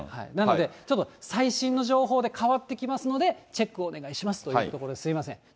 なので最新の情報で変わってきますので、チェックをお願いしますというところで、すみません。